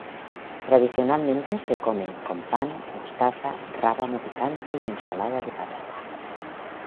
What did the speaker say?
Tradicionalmente se comen con pan, mostaza, rábano picante y ensalada de patata.